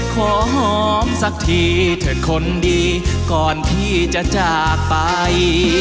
หอมสักทีเถอะคนดีก่อนพี่จะจากไป